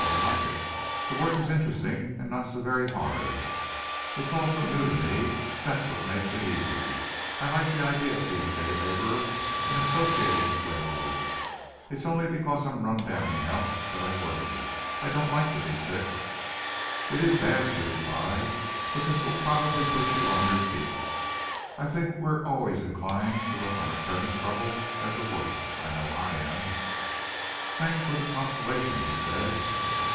I like it. The work is interesting and not so very hard. It's all so new to me, that's what makes it easy. I like the idea of being a day laborer and associating with laborers. It's only because I'm run down in health that I worry. I don't like to be sick." "It is bad," she replied, "but this will probably put you on your feet. I think we're always inclined to look on our present troubles as the worst. I know I am." "Thanks for the consolation," he said.